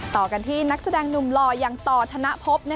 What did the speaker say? ต่อกันที่นักแสดงหนุ่มหล่ออย่างต่อธนภพ